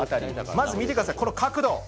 まず見てください、この角度。